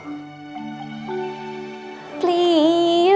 orang agak cium